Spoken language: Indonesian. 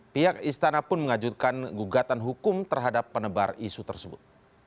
pihak istana pun mengajutkan gugatan hukum terhadap penebar isu tersebut